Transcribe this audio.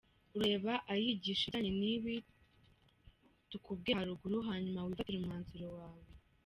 urareba ayigisha ibijyanye n’ibi tukubwiye haruguru hanyuma wifatire umwanzuro wawe.